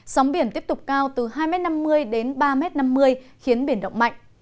sóng biển tiếp tục cao từ hai mét năm mươi đến ba mét năm mươi khiến biển động mạnh